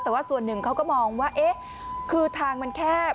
แต่ว่าส่วนหนึ่งเขาก็มองว่าเอ๊ะคือทางมันแคบ